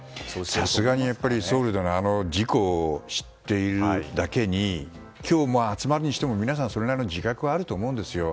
さすがに、ソウルでの事故を知っているだけに今日も集まるにしても皆さんそれなりの自覚はあると思うんです。